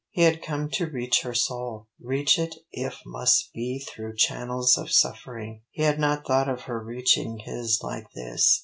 He had come to reach her soul, reach it if must be through channels of suffering. He had not thought of her reaching his like this.